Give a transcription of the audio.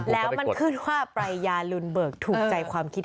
แล้วมันขึ้นว่าปรายยาลุนเบิกถูกใจความคิด